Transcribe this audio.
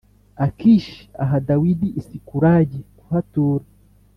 akishi aha dawidi i sikulagi kuhatura